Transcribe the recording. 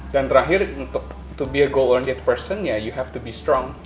dan terakhir untuk to be a goal oriented person ya you have to be strong